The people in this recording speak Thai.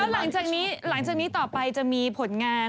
และหลังจากนี้ต่อไปจะมีผลงาน